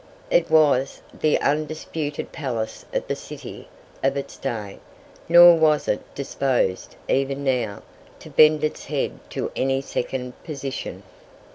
It was the undisputed palace of the city of its day; nor was it disposed, even now, to bend its head to any second position.